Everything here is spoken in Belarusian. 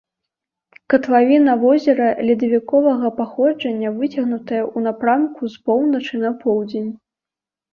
Катлавіна возера ледавіковага паходжання, выцягнутая ў напрамку з поўначы на поўдзень.